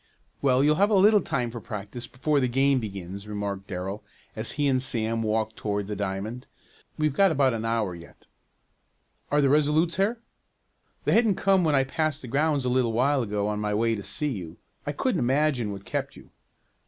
"Well, you'll have a little time for practice before the game begins," remarked Darrell as he and Sam walked toward the diamond. "We've got about an hour yet." "Are the Resolutes here?" "They hadn't come when I passed the grounds a little while ago on my way to see you. I couldn't imagine what kept you."